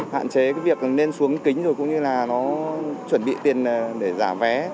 hạn chế việc lên xuống kính rồi cũng như là nó chuẩn bị tiền để giả vé